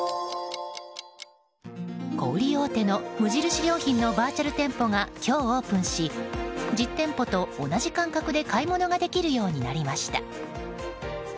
小売り大手の無印良品のバーチャル店舗が今日オープンし実店舗と同じ感覚で買い物ができるようになりました。